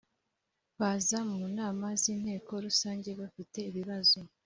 Baza mu nama z inteko Rusange bafite ibibazo